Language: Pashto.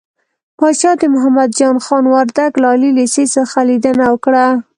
پاچا د محمد جان خان وردک له عالي لېسې څخه ليدنه وکړه .